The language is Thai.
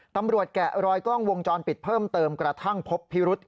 แกะรอยกล้องวงจรปิดเพิ่มเติมกระทั่งพบพิรุษ